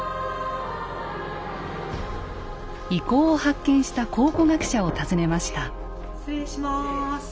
遺構を発見した考古学者を訪ねました。